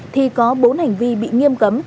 thì có bốn hành vi bị nghiêm cấm